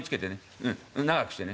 うん長くしてね。